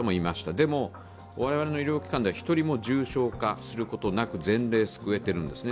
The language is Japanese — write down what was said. でも、我々の医療機関では１人も重症化することなく全例救えているんですね。